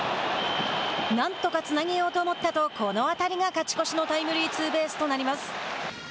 なんとかつなげようと思ったとこの当たりが勝ち越しのタイムリーツーベースとなります。